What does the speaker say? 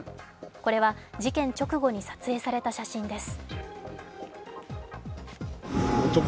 これは事件直後に撮影された写真です。